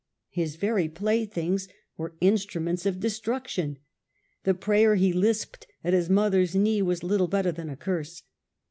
His very play things were instruments of destruction ; the prayer he lisped at his mother's knee was little better than a curse.